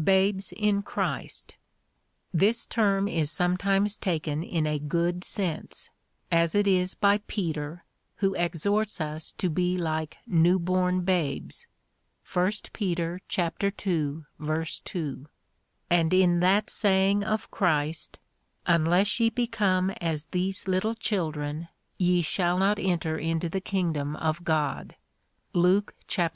Babes in Christ. This term is sometimes taken in a ffood sense, as it is by Peter, who exhorts us to be like new born babes, (1 Peter ii. 2,) and in that saying of Christ, Unless ye become as these little children, ye shall not enter into the king dom of God, (Luke xviii.